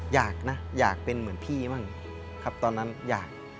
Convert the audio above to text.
อยากนะอยากเป็นเหมือนพี่บ้างครับตอนนั้นอยาก